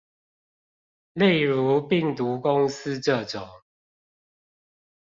例如病毒公司這種